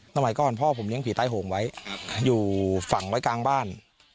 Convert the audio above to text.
สมัยก่อนพ่อผมเลี้ยผีใต้โหงไว้อยู่ฝั่งไว้กลางบ้าน